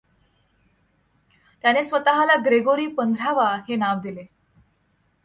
त्याने स्वतःला ग्रेगोरी पंधरावा हे नाव दिले.